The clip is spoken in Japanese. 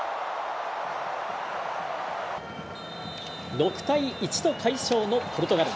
６対１と快勝のポルトガル。